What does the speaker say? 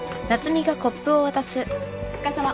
お疲れさま。